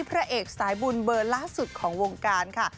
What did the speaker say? พระเอกสายบุญเบอร์ล่าสุดของวงการค่ะ